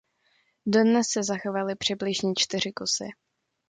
Dodnes se zachovaly přibližně čtyři kusy.